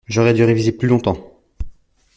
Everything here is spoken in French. J'aurais du réviser plus longtemps.